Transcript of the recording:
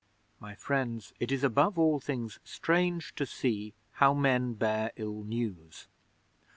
... My friends, it is above all things strange to see how men bear ill news!